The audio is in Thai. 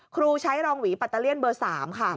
ครูใช้รองหวีปัตเตอร์เลียนเบอร์๓ค่ะ